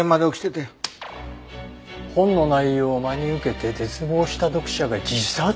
「本の内容を真に受けて絶望した読者が自殺」！？